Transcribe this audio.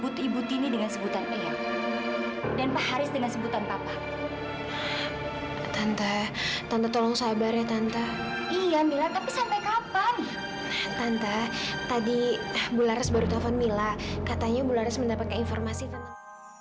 tadi bu lares baru telfon mila katanya bu lares mendapatkan informasi tentang